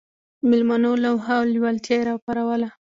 د مېلمنو لوهه او لېوالتیا یې راپاروله.